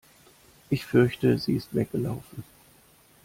Ich fürchte, sie ist weggelaufen.